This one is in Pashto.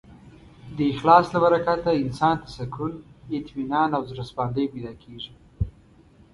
د اخلاص له برکته انسان ته سکون، اطمینان او زړهسواندی پیدا کېږي.